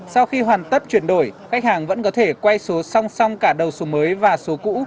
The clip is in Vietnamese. sau khi hoàn tất chuyển đổi khách hàng vẫn có thể quay số song song cả đầu số mới và số cũ